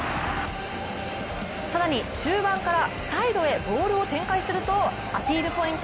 更に中盤からサイドへボールを展開するとアピールポイント